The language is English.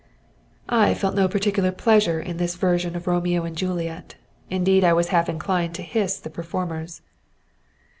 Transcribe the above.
I felt no particular pleasure in this version of Romeo and Juliet, indeed I was half inclined to hiss the performers.